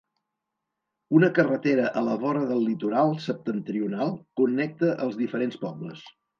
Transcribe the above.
Una carretera a la vora del litoral septentrional connecta els diferents pobles.